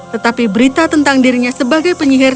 tetapi berita tentang dirinya sebagai penyihir